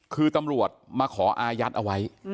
คือตำรวจมาขออายัดเอาไว้